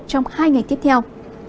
trong hai ngày tiếp theo